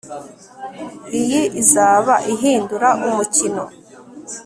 Iyi izaba ihindura umukino